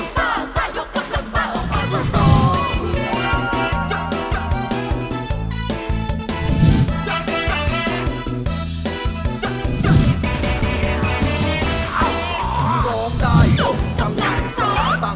จัดการ